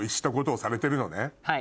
はい。